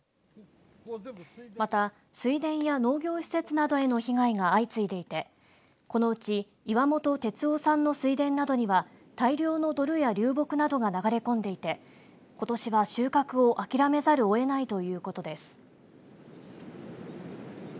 また、水田や農業施設などへの被害が相次いでいてこのうち岩本哲雄さんの水田などには大量の泥や流木などが流れ込んでいてことしは収穫を諦めざるをえないということです。